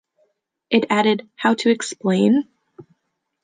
It added How to Explain?